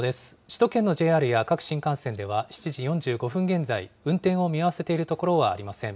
首都圏のＪＲや各新幹線では、７時４５分現在、運転を見合わせているところはありません。